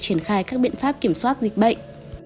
triển khai các biện pháp kiểm soát dịch bệnh